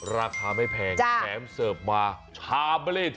ราคาไม่แพงแถมเสิร์ฟมาชาเบอร์เล่น